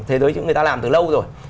thế giới chúng ta làm từ lâu rồi